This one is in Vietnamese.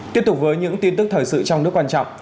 tiếp tục với những tin tức thời sự trong nước quan trọng